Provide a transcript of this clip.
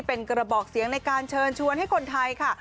เป็นกระบอกเสียงในการเชิญชวนให้คนไทยค่ะ